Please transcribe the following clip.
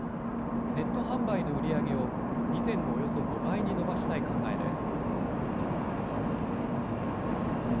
ネット販売の売り上げを、以前のおよそ５倍に伸ばしたい考えです。